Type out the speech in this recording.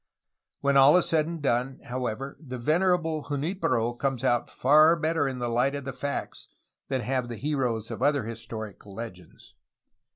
When all is said and done, however, the venerable Junlpero comes out far better in the Ught of the facts than have the heroes of other historic "legends."